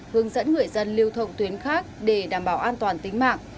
hướng dẫn người dân lưu thông tuyến khác để đảm bảo an toàn tính mạng